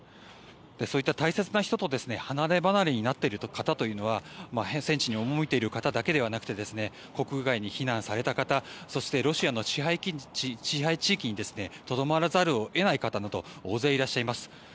その大切な人と離れ離れになっている方というのは戦地に赴いている方だけではなくて国外に避難された方そしてロシアの支配地域にとどまらざるを得ない方など大勢いらっしゃいます。